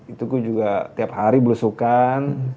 itu gue juga tiap hari belusukan